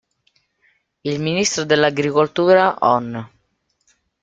Il Ministro dell'Agricoltura on.